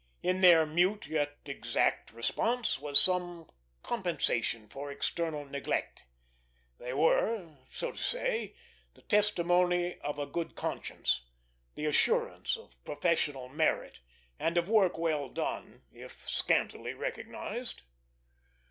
In their mute yet exact response was some compensation for external neglect; they were, so to say, the testimony of a good conscience; the assurance of professional merit, and of work well done, if scantily recognized.